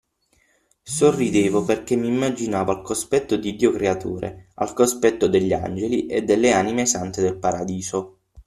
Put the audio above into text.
Sorridevo perché m'immaginavo al cospetto di Dio Creatore, al cospetto degli Angeli e delle anime sante del Paradiso